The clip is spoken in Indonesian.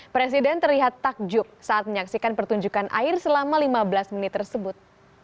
presiden terlihat takjub saat menyaksikan pertunjukan air selama lima belas menit tersebut